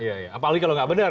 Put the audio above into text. iya apalagi kalau nggak benar